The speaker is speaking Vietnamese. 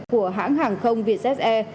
của hãng hàng không vietjet e